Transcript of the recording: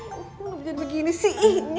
kenapa begini sih inya